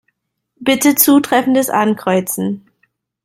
Bitte zutreffendes Ankreuzen.